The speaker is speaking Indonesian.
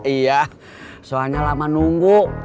iya soalnya lama nunggu